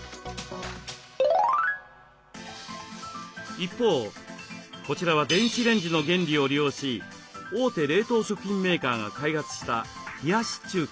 一方こちらは電子レンジの原理を利用し大手冷凍食品メーカーが開発した冷やし中華。